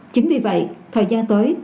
chính vì vậy thời gian tới